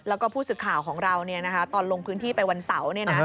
แล้วก็ผู้สื่อข่าวของเราตอนลงพื้นที่ไปวันเสาร์